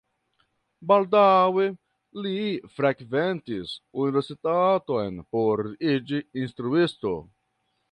Baldaŭe li frekventis universitaton por iĝi instruisto.